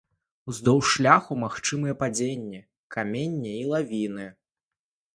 Уздоўж шляху магчымыя падзенні каменя і лавіны.